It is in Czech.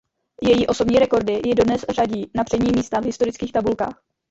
Její osobní rekordy ji dodnes řadí na přední místa v historických tabulkách.